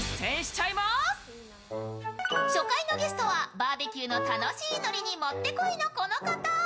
バーベキューの楽しいノリにもってこいのこの方。